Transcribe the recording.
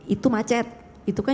itu macet itu kan